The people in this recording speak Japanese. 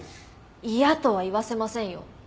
嫌とは言わせませんよ。